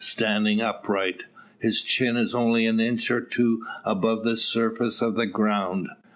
Standing upright, his chin is only an inch or two above the surface of the ground.